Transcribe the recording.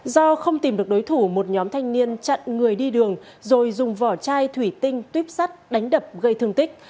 do không tìm được đối thủ một nhóm thanh niên chặn người đi đường rồi dùng vỏ chai thủy tinh tuyếp sắt đánh đập gây thương tích